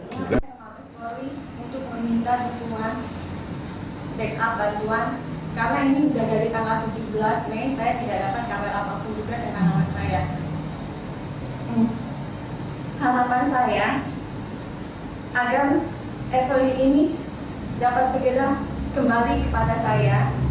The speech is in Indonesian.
halapan saya agar evelyn ini dapat segera kembali kepada saya